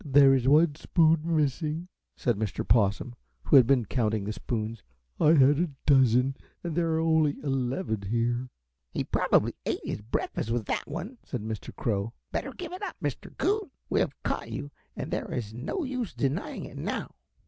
"There is one spoon missing," said Mr. Possum, who had been counting the spoons. "I had a dozen and there are only eleven here." "He probably ate his breakfast with that one," said Mr. Crow. "Better give it up, Mr. Coon; we have caught you and there is no use denying it now."